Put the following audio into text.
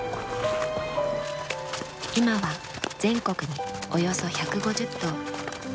今は全国におよそ１５０頭。